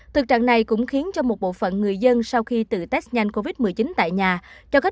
thực trạng này cũng khiến cho một bộ phận người dân sau khi tự test nhanh covid một mươi chín tại nhà